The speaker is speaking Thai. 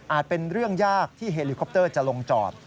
เป็นเรื่องยากที่เฮลิคอปเตอร์จะลงจอด